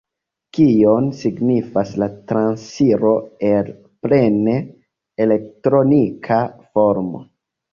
Kion signifas la transiro al plene elektronika formo?